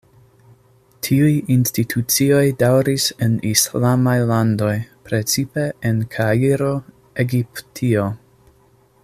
Tiuj institucioj daŭris en islamaj landoj, precipe en Kairo, Egiptio.